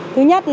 thứ nhất là phải